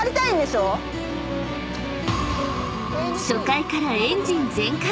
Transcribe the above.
［初回から］